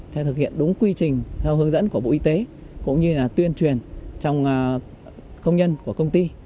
sẽ thực hiện đúng quy trình theo hướng dẫn của bộ y tế cũng như là tuyên truyền trong công nhân của công ty